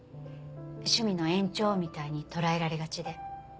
趣味の延長みたいに捉えられがちで。